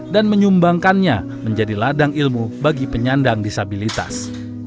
dan menyumbangkannya menjadi ladang ilmu bagi penyandang disabilitas